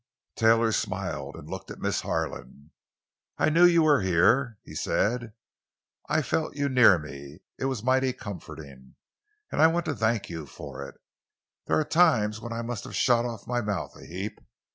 Taylor smiled and looked at Miss Harlan. "I knew you were here," he said; "I've felt you near me. It was mighty comforting, and I want to thank you for it. There were times when I must have shot off my mouth a heap.